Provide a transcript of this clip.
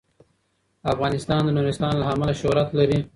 افغانستان د نورستان له امله شهرت لري.